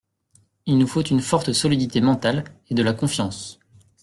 Il nous faut une forte solidité mentale, et de la confiance.